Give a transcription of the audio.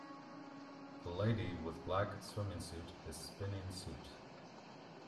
A lady with black swimming suit is spinning suit.